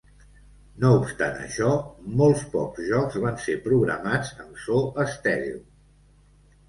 No obstant això, molt pocs jocs van ser programats amb so estèreo.